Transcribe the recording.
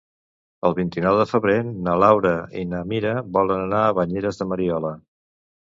El vint-i-nou de febrer na Laura i na Mira volen anar a Banyeres de Mariola.